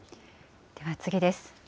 では次です。